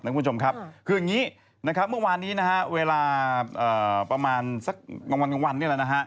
คืออย่างนี้เมื่อวานนี้เวลาประมาณสักวัน